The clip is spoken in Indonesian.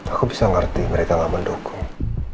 aku bisa ngerti mereka gak mendukung